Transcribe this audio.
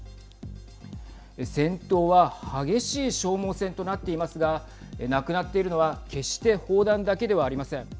戦闘は激しい消耗戦となっていますがなくなっているのは決して砲弾だけではありません。